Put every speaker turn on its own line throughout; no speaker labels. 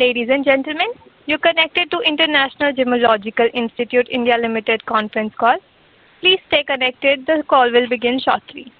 Ladies and gentlemen, you are connected to International Gemological Institute India Limited conference call. Please stay connected. The call will begin shortly.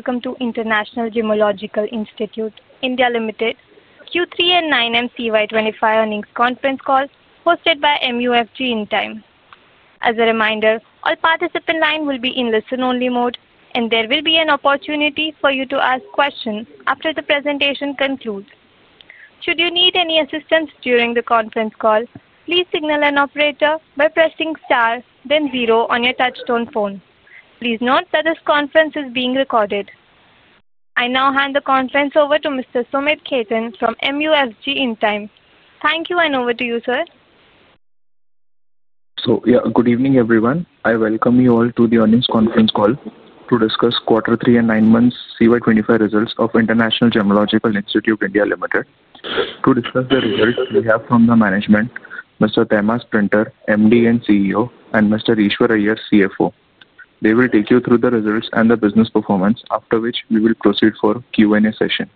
Ladies and gentlemen, good day and welcome to International Gemological Institute India Limited Q3 and 9M CY2025 earnings conference call hosted by MUFG Intime. As a reminder, all participant lines will be in listen-only mode and there will be an opportunity for you to ask questions after the presentation concludes. Should you need any assistance during the conference call, please signal an operator by pressing star then zero on your touch-tone phone. Please note that this conference is being recorded. I now hand the conference over to Mr. Sumeet Khetan from MUFG Intime. Thank you. And over to you, sir.
Good evening everyone. I welcome you all to the earnings conference call to discuss quarter 3 and 9 months CY2025 results of International Gemmological Institute (India) Limited. To discuss the results we have from the management, Mr. Tehmasp Printer, Managing Director and CEO, and Mr. Eashwar Iyer, CFO. They will take you through the results and the business performance after which we will proceed for Q and A session.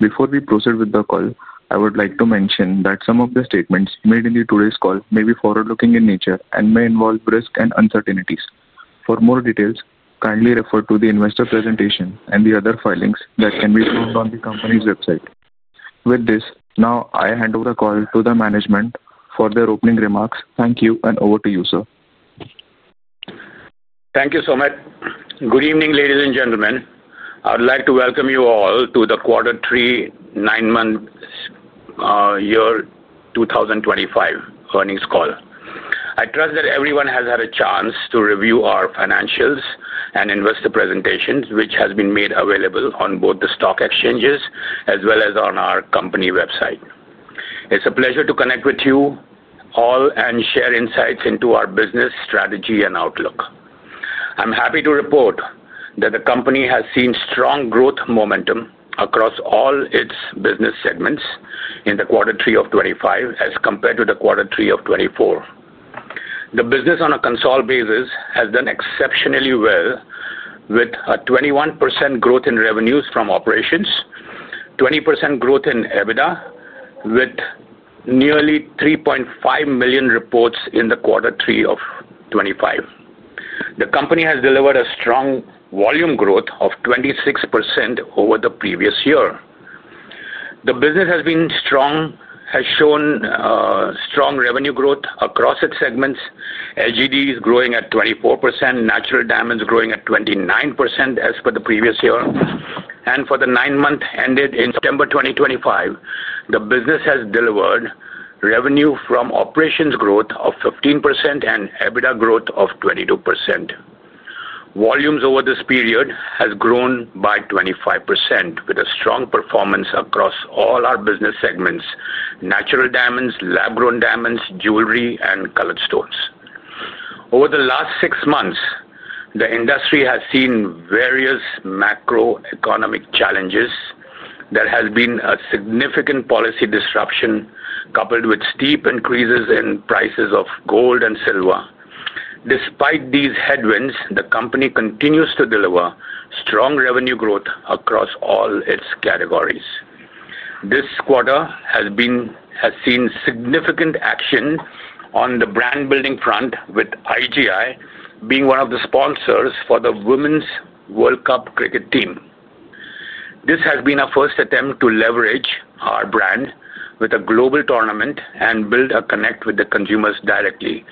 Before we proceed with the call, I would like to mention that some of the statements made in today's call may be forward looking in nature and may involve risk and uncertainties. For more details, kindly refer to the investor presentation and the other filings that can be found on the company's website. With this, now I hand over the call to the management for their opening remarks. Thank you. Over to you sir.
Thank you so much. Good evening ladies and gentlemen. I'd like to welcome you all to the quarter three nine months year 2025 earnings call. I trust that everyone has had a chance to review our financials and investor presentations which have been made available on both the stock exchanges as well as on our company website. It's a pleasure to connect with you all and share insights into our business strategy and outlook. I'm happy to report that the company has seen strong growth momentum across all its business segments in the quarter three of 2025 as compared to the quarter three of 2024. The business on a console basis has done exceptionally well with a 21% growth in revenues from operations, 20% growth in EBITDA with nearly 3.5 million reports in the quarter 3 of 2025, the company has delivered a strong volume growth of 26% over the previous year. The business has been strong, has shown strong revenue growth across its segments. LGD is growing at 24%, natural diamonds growing at 29% as per the previous year and for the nine month ended in September 2025. The business has delivered revenue from operations growth of 15% and EBITDA growth of 22%. Volumes over this period has grown by 25% with a strong performance across all our business segments. Natural diamonds, lab grown diamonds, jewelry and colored stones. Over the last six months the industry has seen various macroeconomic challenges. There has been a significant policy disruption coupled with steep increases in prices of gold and silver. Despite these headwinds, the company continues to deliver strong revenue growth across all its categories. This quarter has seen significant action on the brand building front with IGI being one of the sponsors for the Women's World Cup Cricket team. This has been our first attempt to leverage our brand with a global tournament and build a connect with the consumers directly.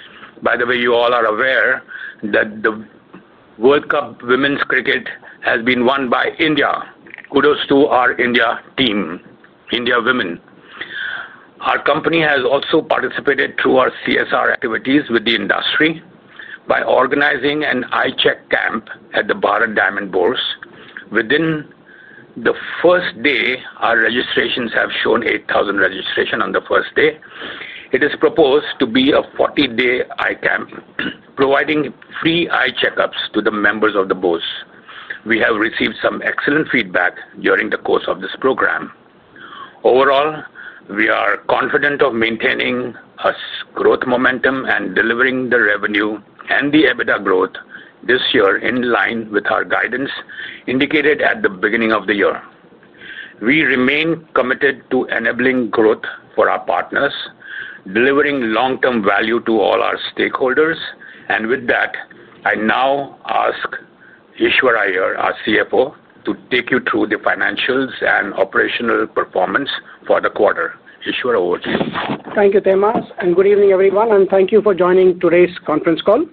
By the way, you all are aware that the World Cup Women's Cricket has been won by India. Kudos to our India team India Women. Our company has also participated through our CSR activities with the industry by organizing an eye check camp at the Bharat Diamond Bourse within the first day. Our registrations have shown 8,000 registration on the first day. It is proposed to be a 40 day ICAM providing free eye checkups to the members of the Bourse. We have received some excellent feedback during the course of this program. Overall, we are confident of maintaining US growth momentum and delivering the revenue and the EBITDA growth this year. In line with our guidance indicated at the beginning of the year, we remain committed to enabling growth for our partners, delivering long term value to all our stakeholders and with that I now ask Eashwar Iyer, our CFO, to take you through the financials and operational performance for the quarter. Eashwar, over to you.
Thank you, Tehmasp, and good evening everyone, and thank you for joining today's conference call.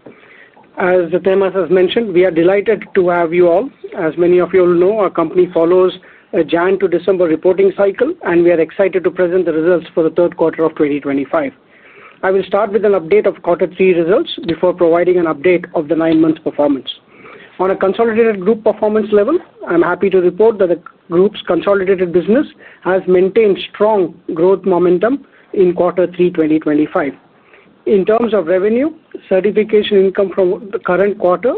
As Tehmasp has mentioned, we are delighted to have you all. As many of you know, our company follows a January to December reporting cycle, and we are excited to present the results for the third quarter of 2025. I will start with an update of quarter three results before providing an update of the nine months performance on a consolidated group performance level. I'm happy to report that the group's consolidated business has maintained strong growth momentum in quarter three 2025 in terms of revenue certification. Income from the current quarter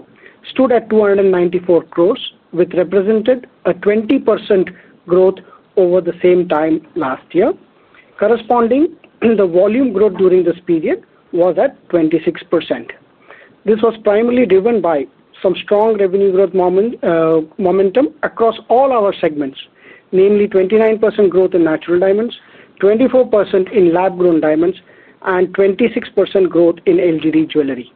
stood at 294 crore, which represented a 20% growth over the same time last year. Corresponding, the volume growth during this period was at 26%. This was primarily driven by some strong revenue growth momentum across all our segments, namely 29% growth in natural diamonds, 24% in lab-grown diamonds, and 26% growth in LGD jewelry.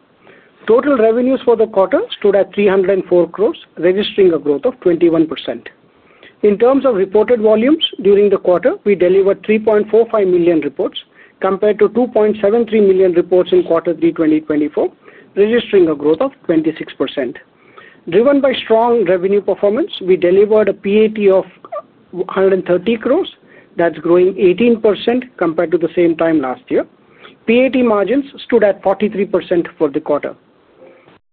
Total revenues for the quarter stood at 304 crores, registering a growth of 21%. In terms of reported volumes during the quarter, we delivered 3.45 million reports compared to 2.73 million reports in quarter three 2024, registering a growth of 26%. Driven by strong revenue performance, we delivered a PAT of 130 crores, that's growing 18% compared to the same time last year. PAT margins stood at 43% for the quarter.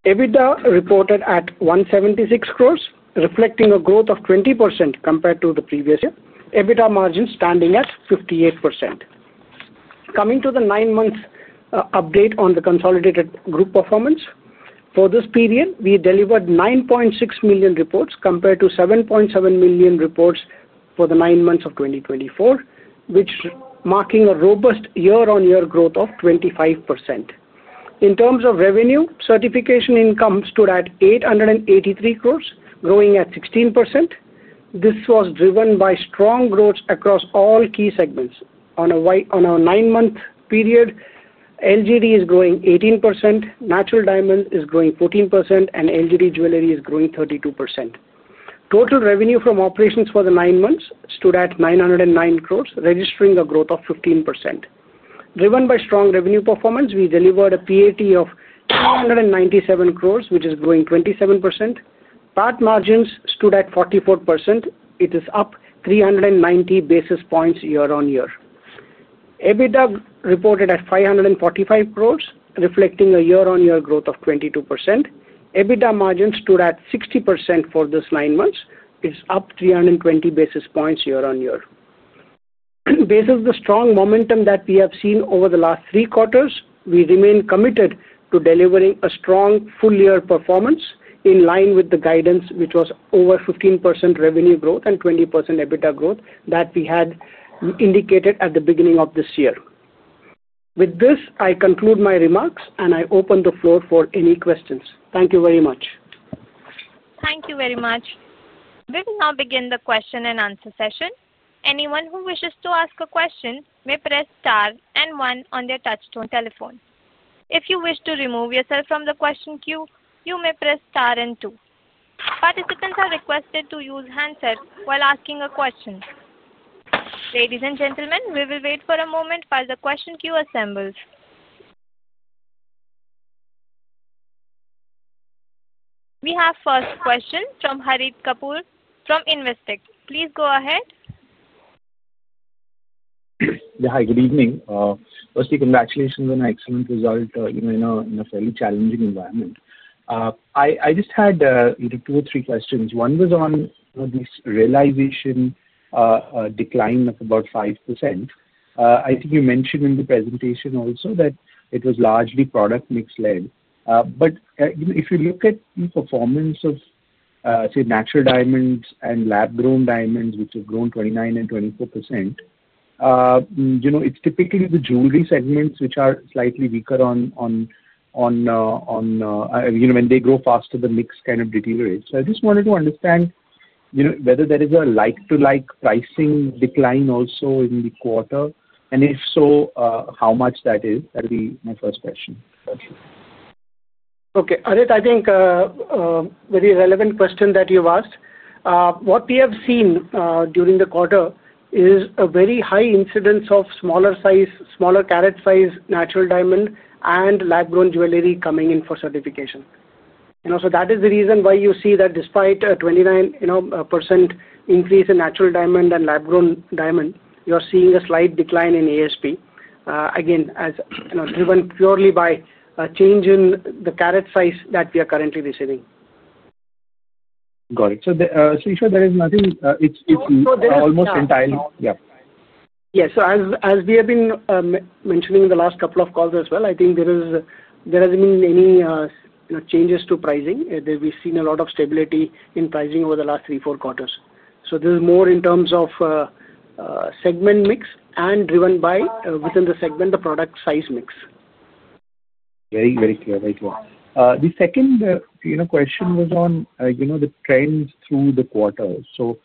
EBITDA reported at 176 crores, reflecting a growth of 20% compared to the previous year. EBITDA margin standing at 58%. Coming to the nine month update on the consolidated group performance for this period we delivered 9.6 million reports compared to 7.7 million reports for the nine months of 2024 which marking a robust year-on-year growth of 25%. In terms of revenue certification income stood at 883 crore growing at 16%. This was driven by strong growth across all key segments. On a nine month period, LGD is growing 18%, Natural Diamonds is growing 14% and LGD Jewelry is growing 32%. Total revenue from operations for the nine months stood at 909 crore registering a growth of 15% driven by strong revenue performance. We delivered a PAT of 397 crore which is growing 27%. PAT margins stood at 44%. It is up 390 basis points year-on-year. EBITDA reported at 545 crore reflecting a year-on-year growth of 22%. EBITDA margin stood at 60% for this nine months. It's up 320 basis points year-on-year. Based on the strong momentum that we have seen over the last three quarters, we remain committed to delivering a strong full year performance in line with the guidance which was over 15% revenue growth and 20% EBITDA growth that we had indicated at the beginning of this year. With this I conclude my remarks and I open the floor for any questions. Thank you very much.
Thank you very much. We will now begin the question and answer session. Anyone who wishes to ask a question may press star and one on their touch tone telephone. If you wish to remove yourself from the question queue, you may press star and two. Participants are requested to use handsets while asking a question. Ladies and gentlemen, we will wait for a moment while the question queue assembles. We have first question from Harit Kapoor from Investec. Please go ahead.
Hi, good evening. Firstly, congratulations on an excellent result in a fairly challenging environment. I just had two or three questions. One was on this realization decline of about 5%. I think you mentioned in the presentation also that it was largely product mix led. If you look at the performance of, say, natural diamonds and lab-grown diamonds, which have grown 29% and 24%, you know, it's typically the jewelry segments which are slightly weaker on, you know, when they grow faster, the mix kind of deteriorates. I just wanted to understand, you know. Whether there is a like to like pricing decline also in the quarter and if so how much that is. That would be my first question.
Okay. Harit, I think very relevant question that you've asked. What we have seen during the quarter is a very high incidence of smaller size, smaller carat size, natural diamond and lab grown jewelry coming in for certification. That is the reason why you see that despite 29% increase in natural diamond and lab grown diamond you are seeing a slight decline in ASP, again as driven purely by a change in the carat size that we are currently receiving.
Got it. There is nothing almost entirely. Yes.
As we have been mentioning in the last couple of calls as well, I think there hasn't been any changes to pricing. We've seen a lot of stability in pricing over the last three, four quarters. This is more in terms of segment mix and driven by within the segment the product size mix.
Very, very clear, very clear. The second question was on, you know, the trends through the quarter. So,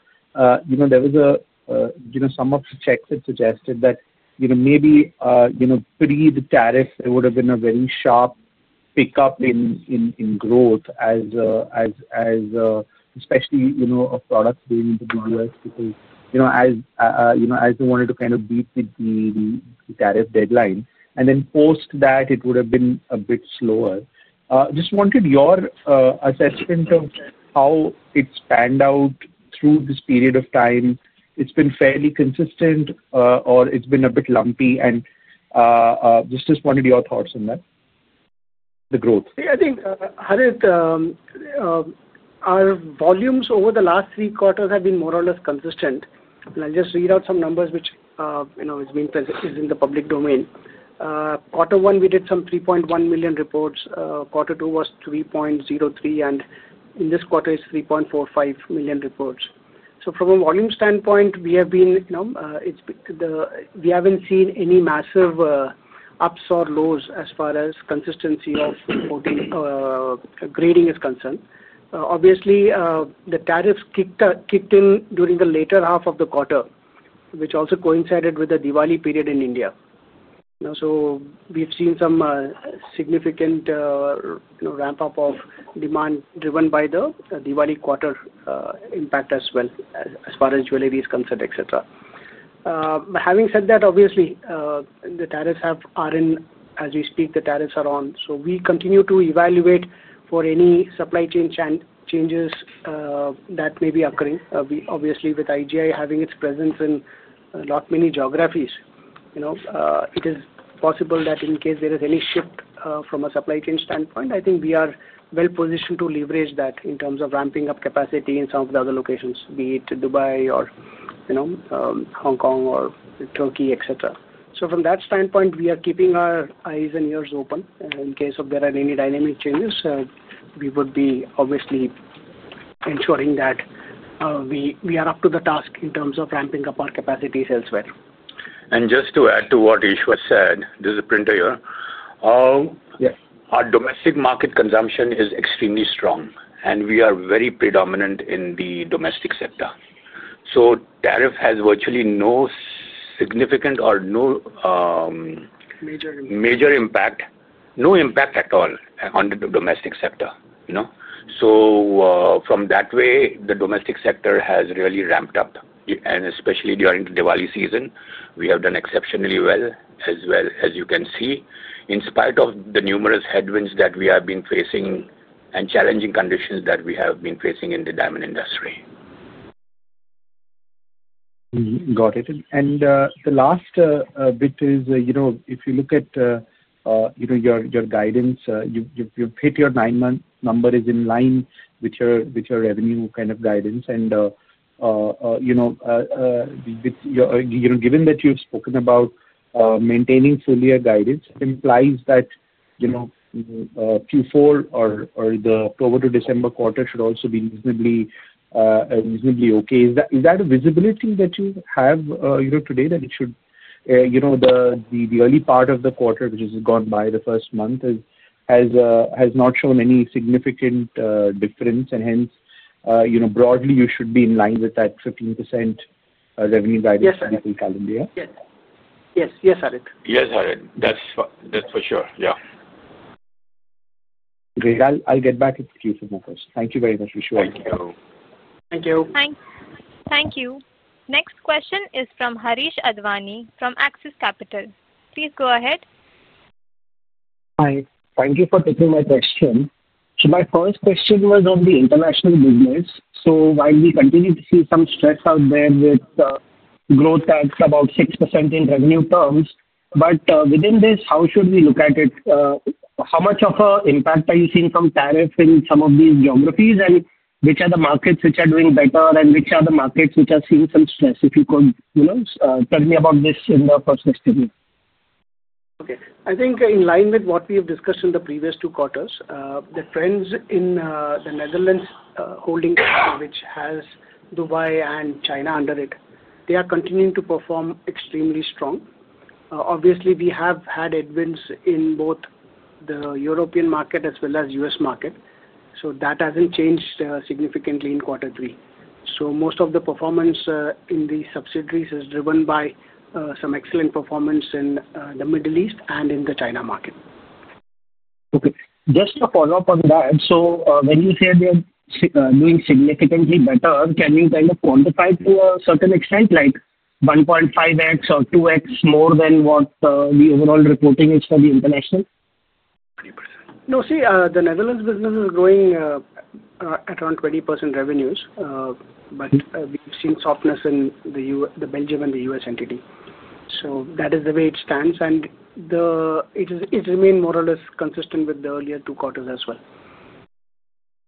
you know, there was a, you know, some of the checks had suggested that, you know, maybe, you know, pre the tariff there would have been a very sharp pickup in growth as. Especially. You know, of products going into the U.S., you know, as they wanted to kind of beat the tariff deadline, and then post that it would have been a bit slower. Just wanted your assessment of how it's panned out through this period of time. It's been fairly consistent, or it's been a bit lumpy, and just wanted your thoughts on that.
The growth, I think Harit, our volumes over the last three quarters have been more or less consistent. I'll just read out some numbers which you know has been present in the public domain. Quarter one we did some 3.1 million reports. Quarter two was 3.03 and in this quarter it's 3.45 million reports. From a volume standpoint we have been, you know, it's the, we haven't seen any massive ups or lows as far as consistency of grading is concerned. Obviously the tariffs kicked in during the later half of the quarter which also coincided with the Diwali period in India. We have seen some significant ramp up of demand driven by the Diwali quarter impact as well, as far as jewelry is concerned, etc. Having said that, obviously the tariffs have, are in as we speak, the tariffs are on. We continue to evaluate for any supply chain changes that may be occurring. Obviously with IGI having its presence in a lot of geographies, it is possible that in case there is any shift from a supply chain standpoint, I think we are well positioned to leverage that in terms of ramping up capacity in some of the other locations, be it Dubai or, you know, Hong Kong or Turkey, etc. From that standpoint we are keeping our eyes and ears open in case if there are any dynamic changes, we would be obviously ensuring that we are up to the task in terms of ramping up our capacities elsewhere.
Just to add to what Eashwar said, this is Printer here. Yes, our domestic market consumption is extremely strong and we are very predominant in the domestic sector. Tariff has virtually no significant or no major, major impact, no impact at all under the domestic sector. From that way the domestic sector has really ramped up and especially during the Diwali season, we have done exceptionally well, as well as you can see, in spite of the numerous headwinds that we have been facing and challenging conditions that we have been facing in the diamond industry.
Got it. The last bit is, you know, if you look at, you know, your guidance, you've hit your nine month number is in line with your revenue kind of guidance. You know, given that you've spoken about maintaining full year guidance, it implies that, you know, Q4 or the October to December quarter should also be reasonably okay. Is that a visibility that you have today? That it should, you know, the early part of the quarter which has gone by, the first month has not shown any significant difference. Hence, you know, broadly you should be in line with that 15% revenue guidance.
Yes, that's for sure. Yeah.
Great. I'll get back. Thank you very much. Thank you.
Thank you.
Thank you. Next question is from Harish Advani from Axis Capital. Please go ahead.
Hi, thank you for taking my question. My first question was on the international business. While we continue to see some stress out there with growth at about 6% in revenue terms, within this, how should we look at it? How much of an impact are you seeing from tariff in some of these geographies and which are the markets which are doing better and which are the markets which are seeing some stress? If you could tell me about this in the first 60 minutes.
I think in line with what we have discussed in the previous two quarters, the trends in the Netherlands holding which has Dubai and China under it, they are continuing to perform extremely strong. Obviously we have had headwinds in both the European market as well as U.S. market. That has not changed significantly in quarter three. Most of the performance in the subsidiaries is driven by some excellent performance in the Middle East and in the China market.
Okay, just a follow up on that. When you say doing significantly better, can you kind of quantify to a certain extent like 1.5x or 2x more than what the overall reporting is for the international?
No. See, the Netherlands business is growing at around 20% revenues. We have seen softness in the Belgium and the U.S. entity. That is the way it stands. It remained moderately or less consistent with the earlier two quarters as well.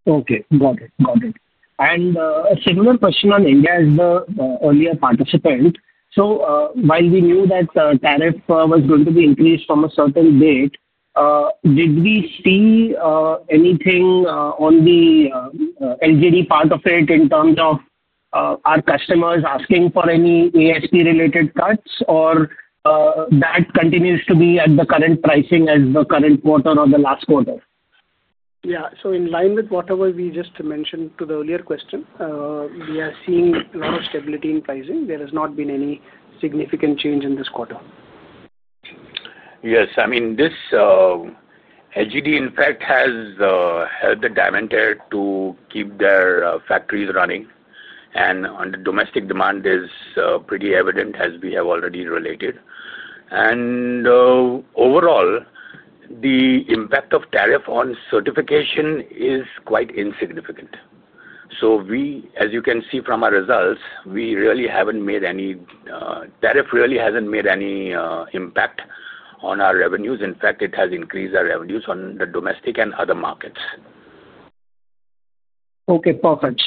Okay, got it, got it. A similar question on India as the earlier participant. While we knew that tariff was going to be increased from a certain date, did we see anything on the LGD part of it in terms of our customers asking for any ASP related cuts or that continues to be at the current pricing as the current quarter or the last quarter?
Yeah. In line with whatever we just mentioned to the earlier question, we are seeing a lot of stability in pricing. There has not been any significant change in this quarter.
Yes, I mean this LGD in fact has helped the Daventer to keep their factories running. On the domestic demand there's pretty evident as we have already related and overall the impact of tariff on certification is quite insignificant. As you can see from our results, we really haven't made any tariff really hasn't made any impact on our revenues. In fact it has increased our revenues on the domestic and other markets.
Okay, perfect.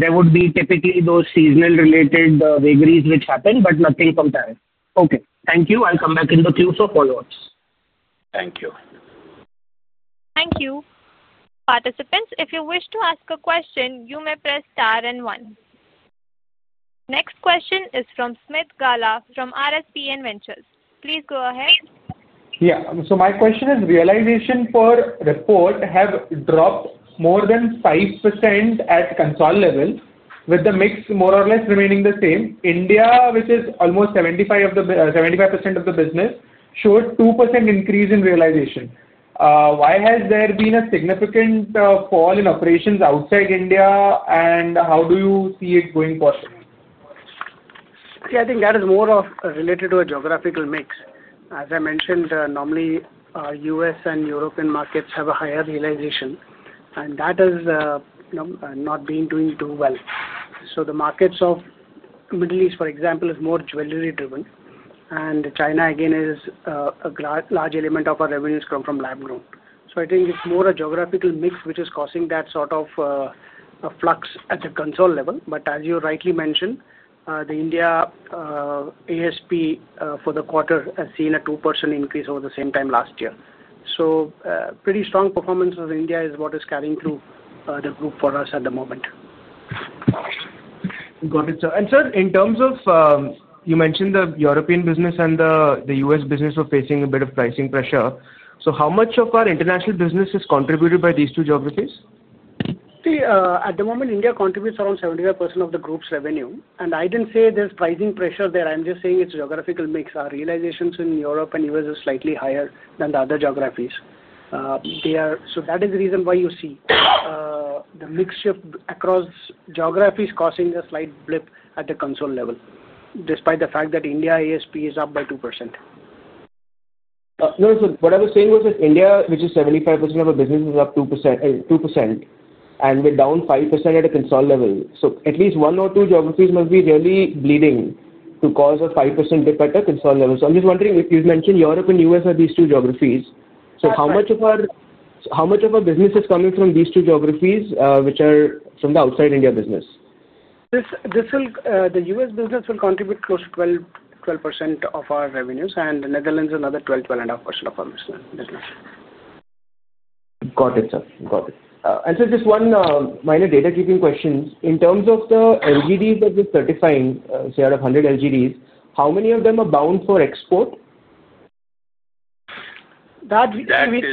There would be typically those seasonal related vagaries which happen, but nothing compare. Okay, thank you. I'll come back in the queue for follow ups.
Thank you.
Thank you. Participants, if you wish to ask a question, you may press star and one. Next question is from Smith Gala from RSPN Ventures. Please go ahead.
Yeah, so my question is realization for report have dropped more than 5% at consolid level with the mix more or less remaining the same. India, which is almost 75% of the business, showed 2% increase in realization. Why has there been a significant fall in operations outside India and how do you see it going forward?
See, I think that is more related to a geographical mix as I mentioned. Normally, U.S. and European markets have a higher realization and that has not been doing too well. The markets of Middle East, for example, are more jewelry driven and China again is a large element of our revenues coming from lab grown. I think it is more a geographical mix which is causing that sort of flux at the console level. As you rightly mentioned, the India ASP for the quarter has seen a 2% increase over the same time last year. Pretty strong performance of India is what is carrying through the group for us at the moment.
Got it, sir. Sir, in terms of you mentioned. The European business and the U.S. business were facing a bit of pricing pressure. How much of our international business is contributed by these two geographies?
See at the moment India contributes around 75% of the group's revenue. I did not say there is pricing pressure there, I am just saying it is geographical mix. Our realizations in Europe and U.S. is slightly higher than the other geographies. That is the reason why you see the mix shift across geographies causing a slight blip at the console level despite the fact that India ASP is up by 2%.
No, what I was saying was that India, which is 75% of our business, is up 2% and we're down 5% at a console level. At least one or two geographies must be really bleeding to cause a 5% dip at the console level. I'm just wondering if you've mentioned Europe and U.S., are these two geographies? How much of our business is coming from these two geographies, which are from the outside India business?
The U.S. business will contribute close to 12% of our revenues and Netherlands another 12.5% of our.
Got it, sir, got it. Just one minor data keeping question. In terms of the LGD certifying, say out of 100 LGDs, how many of them are bound for export?
I mean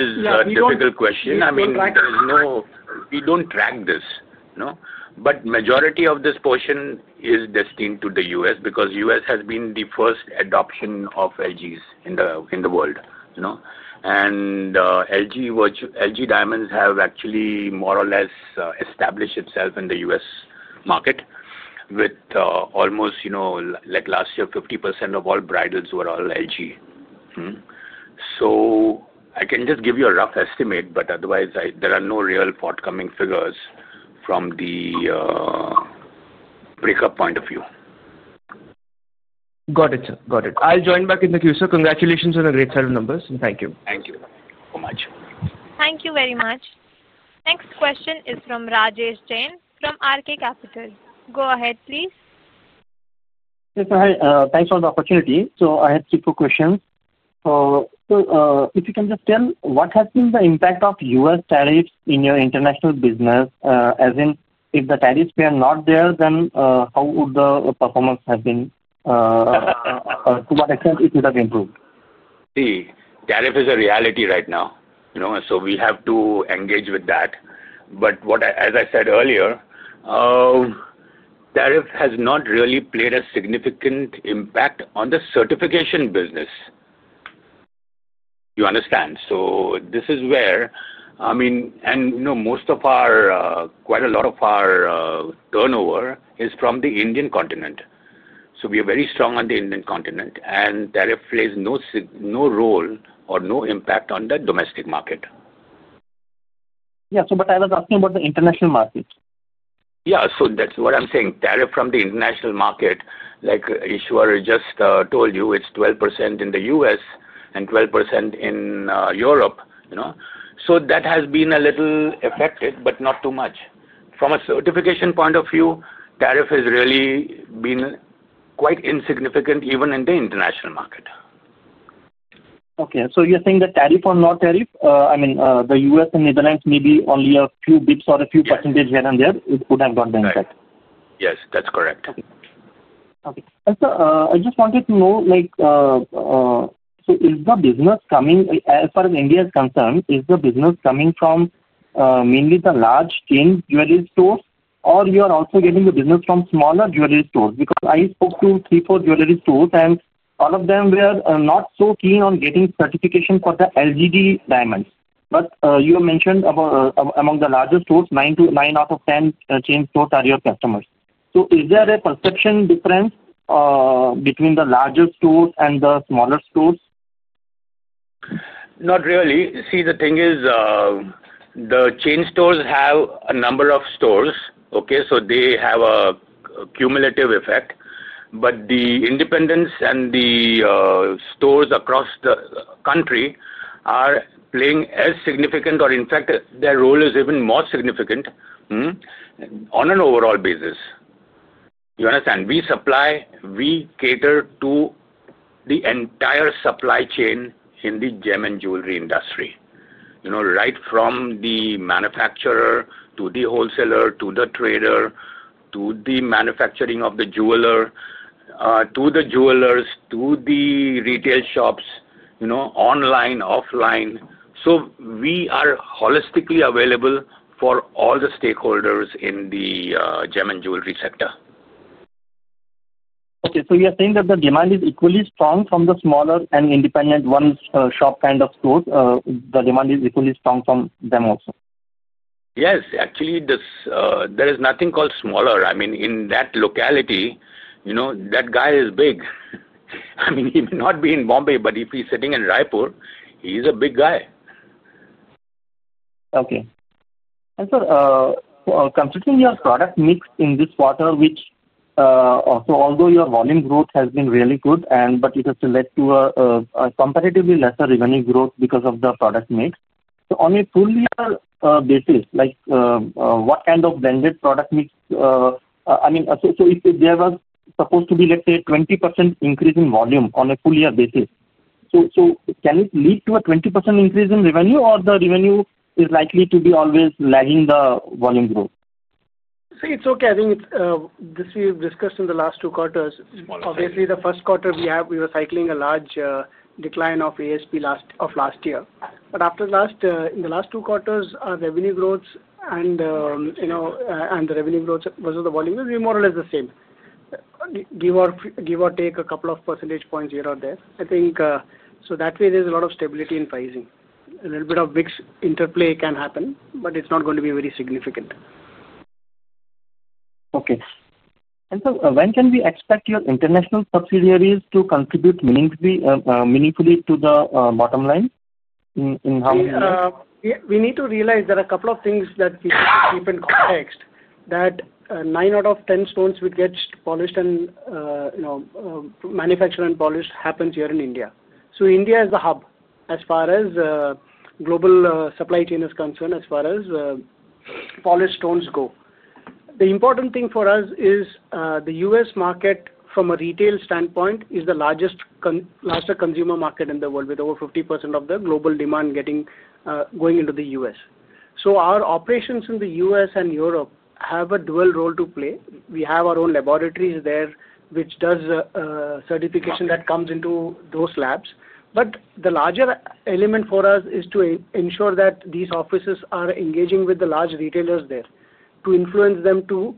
we don't track this. No. But majority of this portion is destined to the U.S. because U.S. has been the first adoption of LGs in the, in the world, you know and LG, LG diamonds have actually more or less established itself in the U.S. market with almost, you know like last year 50% of all bridles were all LG. I can just give you a rough estimate but otherwise I. There are no real forthcoming figures from the breakup point of view.
Got it, got it. I'll join back in the queue. Congratulations on a great set of. Numbers and thank you.
Thank you so much.
Thank you very much. Next question is from Rajesh Jain from RK Capital. Go ahead, please.
Thanks for the opportunity. I had three questions. If you can just tell what has been the impact of U.S. tariffs in your international business? As in, if the tariffs were not there, then how would the performance have been, to what extent it would have improved?
See, tariff is a reality right now, you know, so we have to engage with that. What, as I said earlier, tariff has not really played a significant impact on the certification business, you understand? This is where. I mean, and no, most of our, quite a lot of our turnover is from the Indian continent. We are very strong on the Indian continent. Tariff plays no, no role or no impact on the domestic market.
Yeah, so, but I was asking about the international market.
Yeah, so that's what I'm saying. Tariff from the international market, like Eashwar just told you, it's 12% in the U.S. and 12% in Europe, you know, so that has been a little affected, but not too much from a certification point of view. Tariff has really been quite insignificant even in the international market.
Okay, so you're saying that tariff or not tariff, I mean, the U.S. and Netherlands, maybe only a few bits or a few percentage here and there, it would have got the impact.
Yes, that's correct.
I just wanted to know, like, is the business coming, as far as India is concerned, is the business coming from mainly the large chain jewelry stores or you are also getting the business from smaller jewelry stores? Because I spoke to three, four jewelry stores and all of them were not so keen on getting certification for the LGD diamonds. But you mentioned among the largest stores, nine to nine out of 10 chain stores are your customers. So is there a perception difference between the larger stores and the smaller stores?
Not really. See, the thing is the chain stores have a number of stores, okay? They have a cumulative effect. The independents and the stores across the country are playing as significant or in fact their role is even more significant on an overall basis. You understand, we supply, we cater to the entire supply chain in the gem and jewelry industry, you know, right. From the manufacturer to the wholesaler, to the trader, to the manufacturing of the jeweler, to the jewelers, to the retail shops, you know, online, offline. We are holistically available for all the stakeholders in the gem and jewelry sector.
Okay, so you are saying that the demand is equally strong from the smaller and independent one shop kind of stores. The demand is equally strong from them also?
Yes. Actually this, there is nothing called smaller. I mean in that locality. You know, that guy is big. I mean he may not be in Bombay, but if he's sitting in Raipur, he's a big guy.
Okay. Considering your product mix in this quarter, which, so although your volume growth has been really good, but it has led to a comparatively lesser revenue growth because of the product mix on a full year basis. Like what kind of blended product mix? I mean, so if there was supposed to be, let's say, 20% increase in volume on a full year basis, so can it lead to a 20% increase in revenue or the revenue is likely to be always lagging the volume growth?
See, it's okay. I think this we have discussed in the last two quarters. Obviously the first quarter we have, we were cycling a large decline of ASP of last year. After last in the last two quarters, our revenue growth and the revenue growth versus the volume growth, we more or less the same, give or take a couple of percentage points here or there, I think. That way there's a lot of stability in phasing. A little bit of big interplay can happen, but it's not going to be very significant.
Okay, when can we expect your international subsidiaries to contribute meaningfully to the bottom line?
We need to realize there are a couple of things to keep in context that 9 out of 10 stones which get polished and manufactured and polished happens here in India. India is the hub as far as the global supply chain is concerned. As far as polished stones go, the important thing for us is the U.S. market from a retail standpoint is the largest consumer market in the world with over 50% of the global demand going into the U.S., so our operations in the U.S. and Europe have a dual role to play. We have our own laboratories there which do certification that comes into those labs. The larger element for us is to ensure that these offices are engaging with the large retailers there to influence them to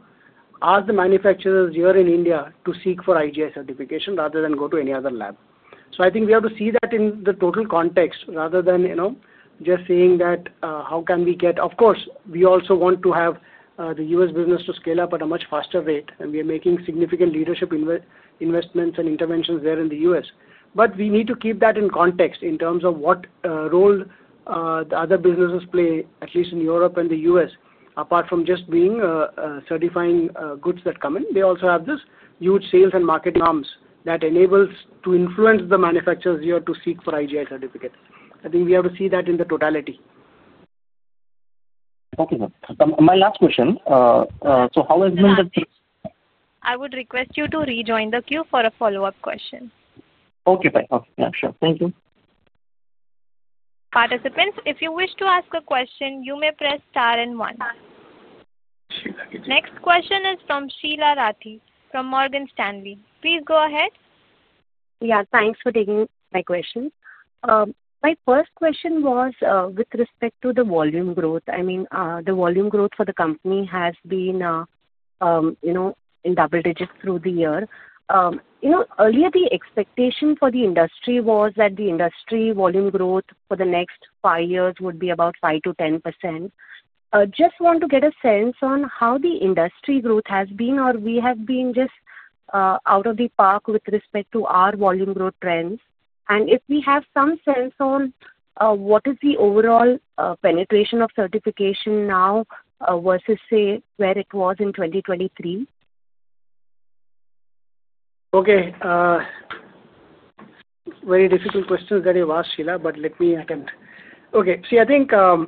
ask the manufacturers here in India to seek for IGI certification rather than go to any other lab. I think we have to see that in the total context rather than just saying that how can we get. Of course, we also want to have the U.S. business to scale up at a much faster rate and we are making significant leadership investments and interventions there in the U.S., but we need to keep that in context in terms of what role the other businesses play at least in Europe and the US. Apart from just being certifying goods that come in, they also have this huge sales and marketing arms that enables to influence the manufacturers here to seek for IGI certificates. I think we have to see that in the totality.
Okay, my last question. So how is.
I would request you to rejoin the queue for a follow-up question.
Okay, sure. Thank you.
Participants, if you wish to ask a question, you may press star and one. Next question is from Sheela Rathi from Morgan Stanley. Please go ahead.
Yeah, thanks for taking my question. My first question was with respect to the volume growth. I mean the volume growth for the company has been in double digits through the year. Earlier the expectation for the industry was that the industry volume growth for the next five years would be about 5%-10%. Just want to get a sense on how the industry growth has been or we have been just out of the park with respect to our volume growth trends and if we have some sense on what is the overall penetration of certification now versus say where it was in 2023.
Okay, very difficult questions that you've asked, Sheela, but let me attempt. Okay, see, I think for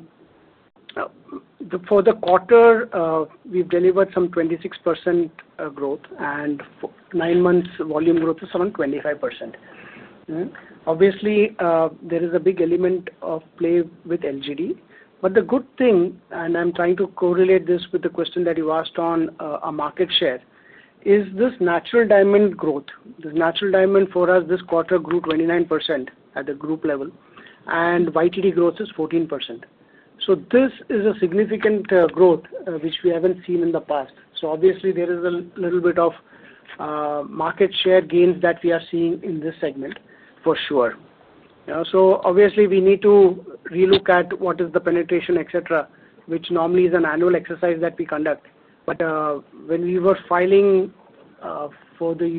the quarter we've delivered some 26% growth and nine months volume growth is around 25%. Obviously, there is a big element of play with LGD. The good thing, and I'm trying to correlate this with the question that you asked on market share, is this natural diamond growth. This natural diamond for us this quarter grew 29% at the group level and YTD growth is 14%. This is a significant growth which we haven't seen in the past. Obviously, there is a little bit of market share gains that we are seeing in this segment for sure. We need to relook at what is the penetration, etc., which normally is an annual exercise that we conduct. When we were filing for the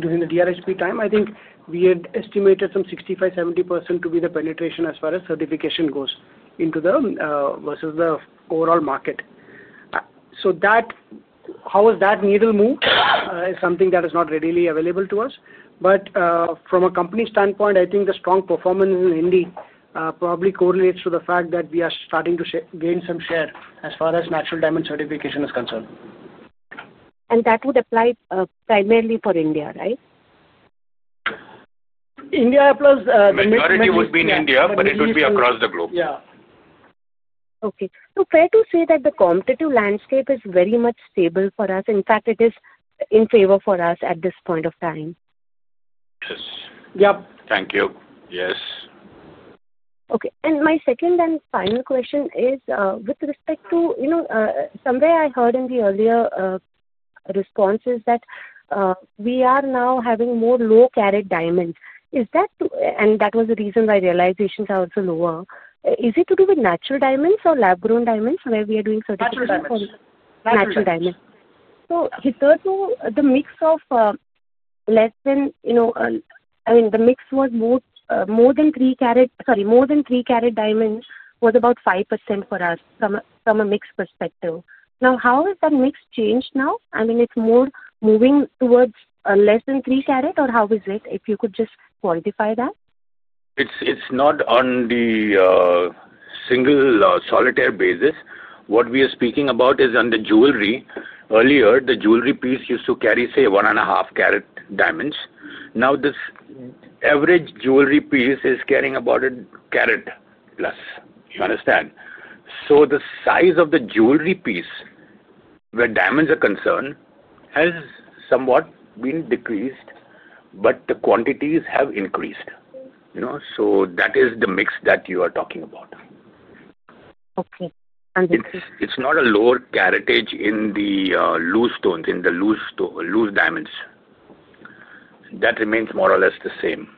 during the DRHP time, I think we had estimated some 65%-70% to be the penetration as far as certification goes into the versus the overall market. How that needle has moved is something that is not readily available to us. From a company standpoint, I think the strong performance in Hindi probably correlates to the fact that we are starting to gain some share as far as natural diamond certification is concerned.
That would apply primarily for India, right?
India plus majority would be in India.
It would be across the globe.
Yeah.
Okay. So fair to say that the competitive landscape is very much stable for us. In fact, it is in favor for us at this point of time.
Yep.
Thank you. Yes.
Okay. My second and final question is with respect to, you know, somewhere I heard in the earlier response that we are now having more low carat diamonds. Is that, and that was the reason why realizations are also lower. Is it to do with natural diamonds or lab-grown diamonds where we are doing certain diamonds, natural diamonds? Hitherto the mix of less than, you know, I mean, the mix was more. More than 3 carat, sorry, more than 3 carat diamonds was about 5% for us from a mix perspective. Now how has that mix changed now? I mean, it's more moving towards less than 3 carat or how is it? If you could just quantify that, it's.
Not on the single solitaire basis. What we are speaking about is under jewelry, earlier the jewelry piece used to carry say one and a half carat diamonds. Now this average jewelry piece is carrying about a D carat plus, you understand. The size of the jewelry piece where diamonds are concerned has somewhat been decreased but the quantities have increased, you know, so that is the mix that you are talking about. It is not a lower caratage in the loose stones. In the loose, loose diamonds that remains more or less the same.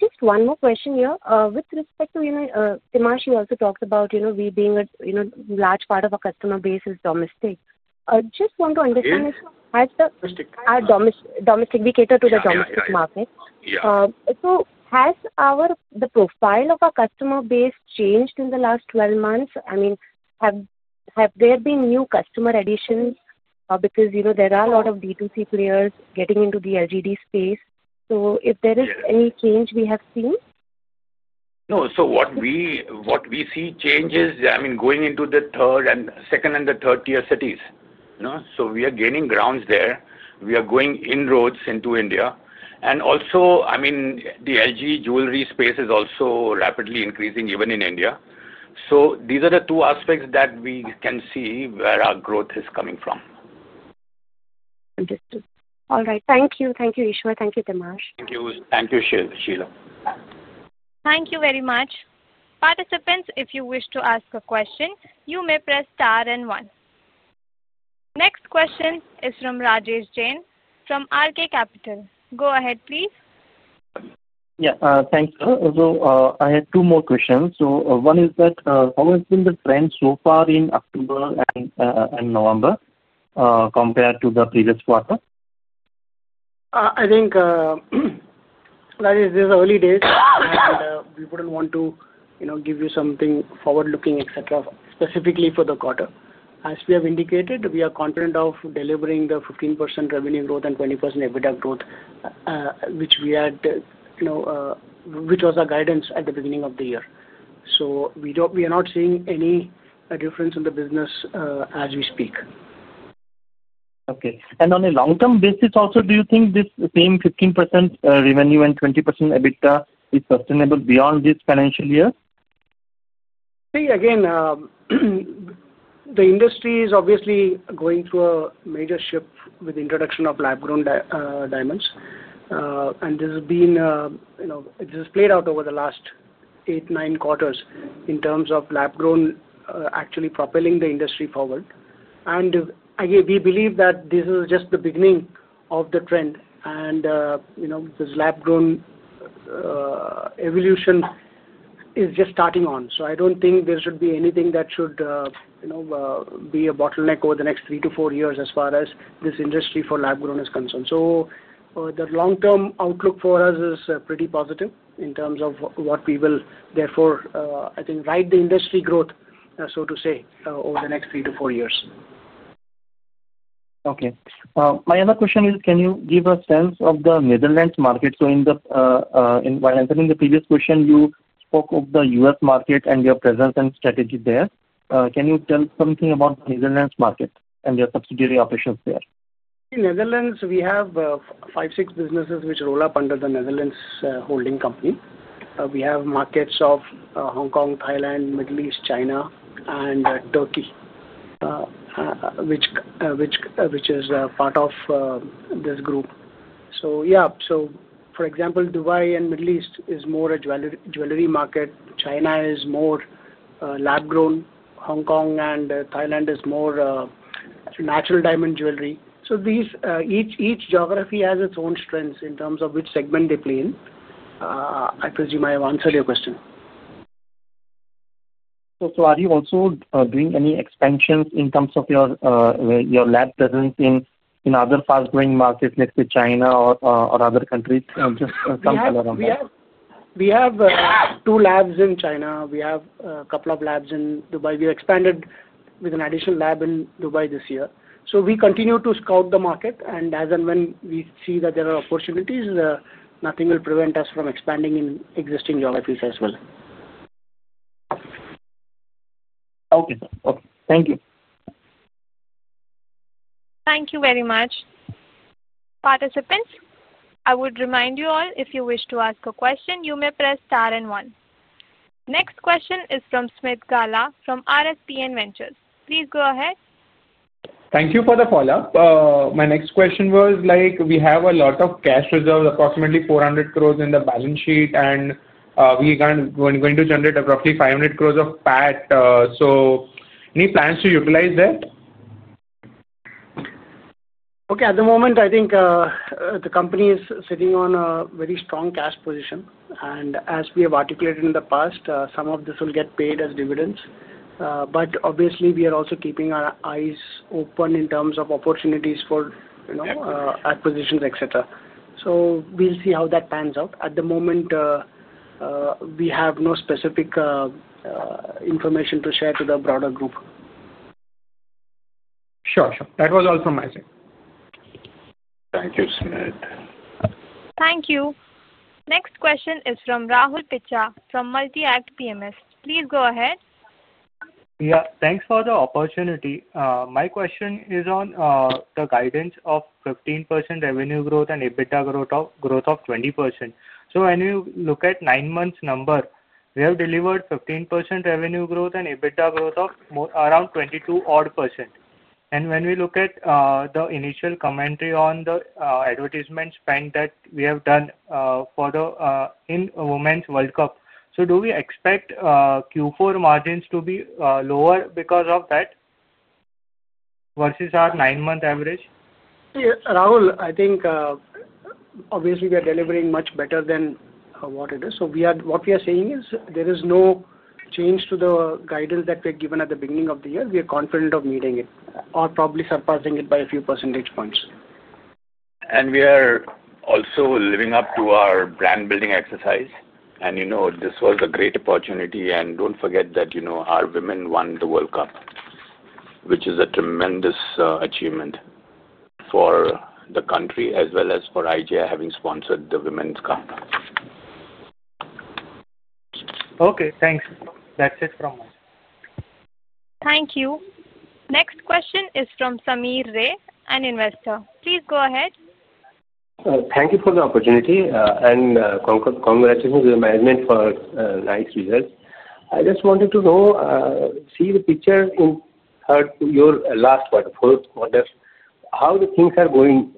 Just one more question here with respect to, you know, Tehmasp, you also talked about, you know, we being a, you know, large part of our customer base is domestic. I just want to understand domestic, cater to the domestic market. Has the profile of our customer base changed in the last 12 months? I mean, have there been new customer additions? Because, you know, there are a lot of D2C players getting into the LGD space. If there is any change, we have seen.
No, so what we see changes, I mean going into the second and the third tier cities. We are gaining grounds there. We are going inroads into India and also, I mean the LGD jewelry space is also rapidly increasing even in India. These are the two aspects that we can see where our growth is coming from.
All right, thank you. Thank you, Eashwar. Thank you, Tehmasp.
Thank you. Thank you Sheela.
Thank you very much. Participants, if you wish to ask a question, you may press star and one. Next question is from Rajesh Jain from RK Capital. Go ahead please.
Yeah, thanks. I had two more questions. One is that how has been the trend so far in October and November compared to the previous quarter?
I think that is this early days. We would not want to, you know, give you something forward looking etc specifically for the quarter. As we have indicated, we are confident of delivering the 15% revenue growth and 20% EBITDA growth which we had, which was our guidance at the beginning of the year. We are not seeing any difference in the business as we speak.
Okay. On a long term basis also, do you think this same 15% revenue and 20% EBITDA is sustainable beyond this financial year?
See again, the industry is obviously going through a major shift with introduction of lab grown diamonds. This has played out over the last eight, nine quarters in terms of lab grown actually propelling the industry forward. We believe that this is just the beginning of the trend and this lab grown evolution is just starting on. I do not think there should be anything that should be a bottleneck over the next three to four years as far as this industry for lab grown is concerned. The long term outlook for us is pretty positive in terms of what we will therefore, I think, right, the industry growth, so to say, over the next three to four years.
Okay. My other question is can you give a sense of the Netherlands market? So in the while answering the previous question, you spoke of the U.S. market and your presence and strategy there. Can you tell something about Netherlands market and your subsidiary operations there?
In Netherlands we have five, six businesses which roll up under the Netherlands holding company. We have markets of Hong Kong, Thailand, Middle East, China, and Turkey which is part of this group. For example, Dubai and Middle East is more a jewelry market. China is more lab grown. Hong Kong and Thailand is more natural diamond jewelry. Each geography has its own strengths in terms of which segment they play in. I presume I have answered your question.
Are you also doing any expansions in terms of your lab presence in other fast growing markets next to China or other countries? Just some color on that.
We have two labs in China, we have a couple of labs in Dubai. We expanded with an additional lab in Dubai this year. We continue to scout the market and as and when we see that there are opportunities, nothing will prevent us from expanding in existing geographies as well.
Okay, thank you.
Thank you very much participants. I would remind you all, if you wish to ask a question, you may press star and one. Next question is from Smith Gala from RSPN Ventures. Please go ahead.
Thank you for the follow up. My next question was like we have a lot of cash reserves, approximately 400 crore in the balance sheet and we going to generate abruptly 500 crore of PAT. So any plans to utilize that?
Okay. At the moment I think the company is sitting on a very strong cash position and as we have articulated in the past, some of this will get paid as dividends. Obviously we are also keeping our eyes open in terms of opportunities for acquisitions, etc. We will see how that pans out. At the moment we have no specific information to share to the broader group.
Sure. That was all from my side.
Thank you, Smith.
Thank you. Next question is from Rahul Picha from Multi Act PMS. Please go ahead.
Yeah, thanks for the opportunity. My question is on the guidance of 15% revenue growth and EBITDA growth of 20%. When you look at nine months number, we have delivered 15% revenue growth and EBITDA growth of around 22% odd. When we look at the initial commentary on the advertisement spend that we have done in Women's World Cup, do we expect Q4 margins to be lower because of that versus our nine month average?
Rahul, I think obviously we are delivering much better than what it is. We are, what we are saying is there is no change to the guidance that we had given at the beginning of the year. We are confident of meeting it or probably surpassing it by a few percentage points.
We are also living up to our brand building exercise. You know this was a great opportunity. Do not forget that our women won the World Cup, which is a tremendous achievement for the country as well as for IGI having sponsored the women's camp.
Okay, thanks. That's it from us.
Thank you. Next question is from Sameer Ray, an investor. Please go ahead.
Thank you for the opportunity and congratulations. To the management for nice results. I just wanted to know, see the. Picture in your last how the things are going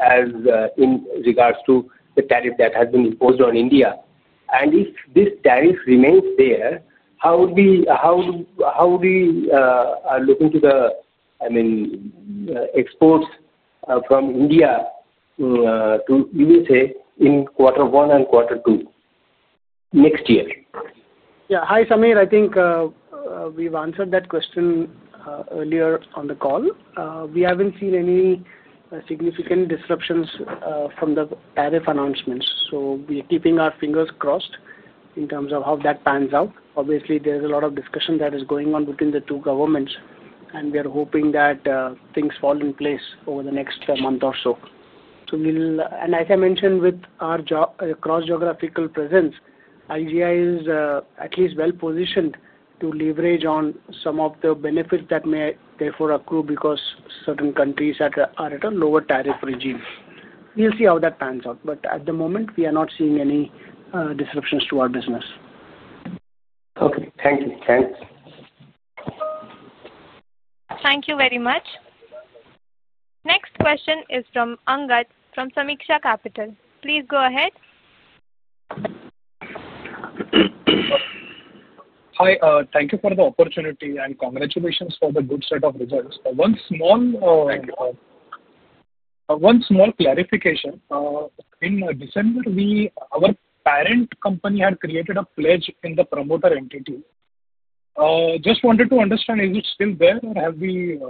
as in regards to the tariff that has been imposed on India and if this tariff remains there, how. We are looking to the, I mean, exports from India to U.S.A. in quarter. One and quarter two next year.
Yeah. Hi Sameer. I think we've answered that question earlier on the call. We haven't seen any significant disruptions from the tariff announcements, so we are keeping our fingers crossed in terms of how that pans out. Obviously there is a lot of discussion that is going on between the two governments, and we are hoping that things follow in place over the next month or so. As I mentioned, with our cross geographical presence, IGI is at least well positioned to leverage on some of the benefits that may therefore accrue because certain countries are at a lower tariff regime. We'll see how that pans out. At the moment we are not seeing any disruptions to our business.
Okay. Thank you, Iyer.
Thank you very much. Next question is from Angad from Sameeksha Capital. Please go ahead.
Hi. Thank you for the opportunity and congratulations for the good set of results. One small clarification. In December our parent company had created a pledge in the promoter entity. Just wanted to understand, is it still? There, or have we?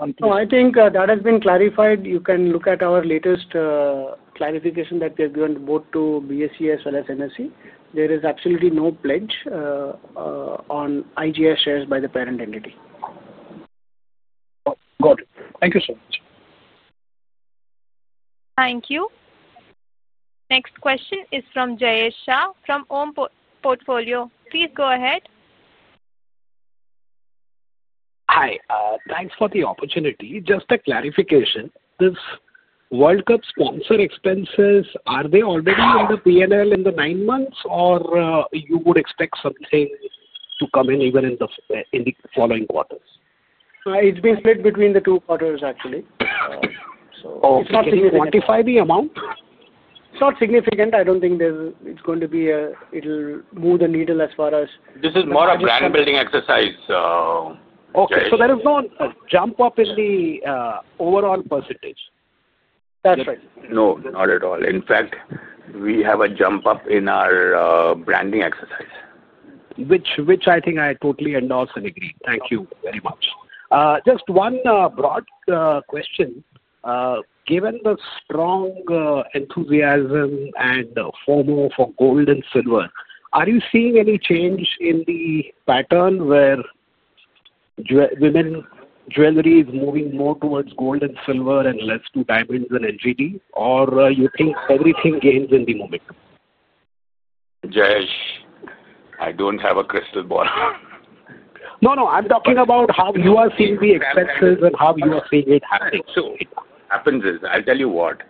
I think that has been clarified. You can look at our latest clarification that they have given both to BSE as well as NSE. There is absolutely no pledge on IGI shares by the parent entity.
Got it. Thank you so much.
Thank you. Next question is from Jash Shah from OHM Portfolio. Please go ahead.
Hi. Thanks for the opportunity. Just a clarification. This World Cup sponsor expenses, are they already in the P and L? The nine months or you would expect. Something to come in even in the. In the following quarters.
It's been split between the two quarters actually. Quantify the amount. It's not significant. I don't think it's going to be. It'll move the needle as far as.
This is more a brand building exercise.
Okay.
There is no jump up in the overall percentage. That's right.
No, not at all. In fact, we have a jump up in our branding exercise, which I think.
I totally endorse and agree. Thank you very much.
Just one broad question. Given the strong enthusiasm and FOMO for gold and silver, are you seeing any change in the pattern where women jewelry is moving more towards gold and silver and less to diamonds than NGD or? You think everything gains in the moment?
Jash, I don't have a crystal ball.
No, no. I'm talking about how you are seeing the expenses and how you are.
I tell you what,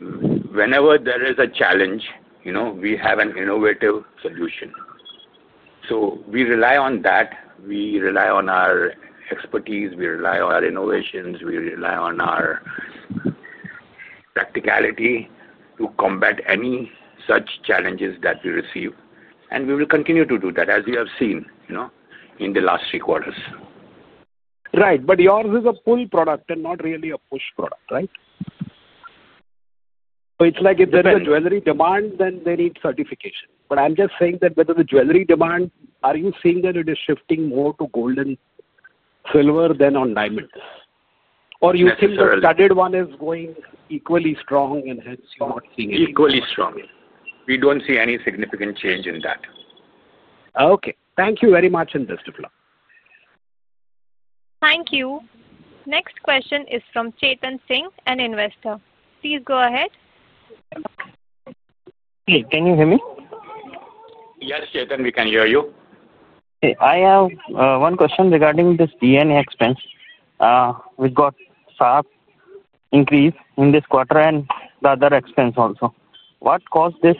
whenever there is a challenge, you know we have an innovative solution. We rely on that. We rely on our expertise, we rely on our innovations. We rely on our practicality to combat any such challenges that we receive. We will continue to do that. As you have seen, you know, in the last three quarters.
Right. Yours is a pull product and. Not really a push product, right. It's like if there is a. Jewelry demand, then they need certification. I'm just saying that whether the jewelry demand. Are you seeing that it is shifting more to gold and silver than on diamond? Or you think the studded one is. Going equally strong and hence you are seeing equally strong.
We don't see any significant change in that.
Okay, thank you very much and best of luck.
Thank you. Next question is from Chetan Singh, an investor. Please go ahead.
Can you hear me?
Yes, we can hear you.
I have one question regarding this DNA expense. We've got sharp increase in this quarter and the other expense also. What caused this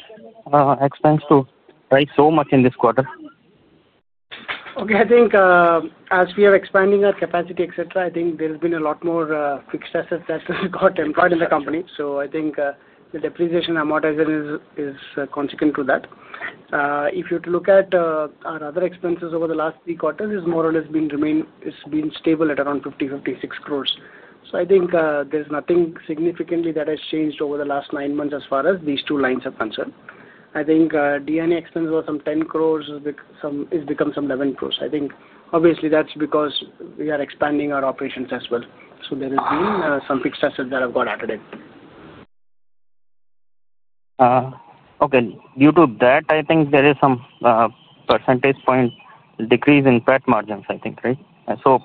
expense to rise so much in this quarter?
Okay. I think as we are expanding our capacity etc, I think there's been a lot more fixed assets that got employed in the company. I think the depreciation amortization is consequent to that. If you look at our other expenses over the last three quarters, it has more or less been remain. It's been stable at around 50 crore-56 crore. I think there's nothing significantly that has changed over the last nine months as far as these two lines are concerned. I think D&A expense was some 10 crore. It's become some 11 crore. I think obviously that's because we are expanding our operations as well. There is some fixed assets that have got added in.
Okay. Due to that I think there is some percentage point decrease in PAT margins I think. Right. So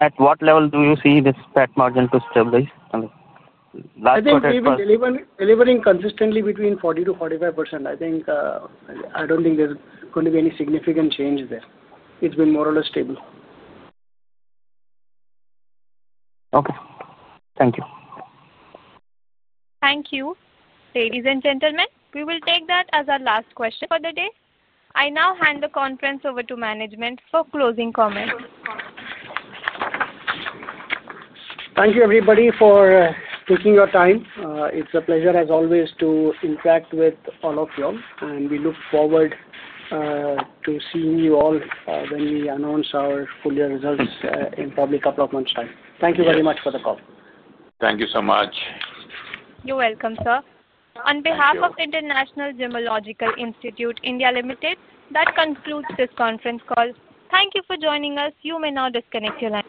at what level do you see this PAT margin to stabilize?
I think delivering consistently between 40%-45% I think. I don't think there's going to be any significant change there. It's been more or less stable.
Okay, thank you.
Thank you ladies and gentlemen. We will take that as our last question for the day. I now hand the conference over to management for closing comments.
Thank you everybody for taking your time. It's a pleasure as always to interact with all of you and we look forward to seeing you all when we announce our full year results in probably a couple of months time. Thank you very much for the call.
Thank you so much.
You're welcome sir. On behalf of International Gemological Institute India Limited that concludes this conference call. Thank you for joining us. You may now disconnect your lines.